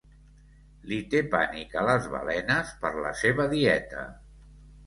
Li té pànic a les balenes per la seva dieta.